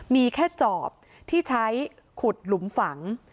มีแค่จอบที่ใช้ขุดหลุมฝัง